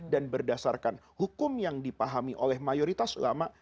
dan berdasarkan hukum yang dipahami oleh mayoritas ulama